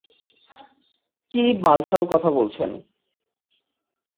কি বাল-ছাল কথা বলছেন?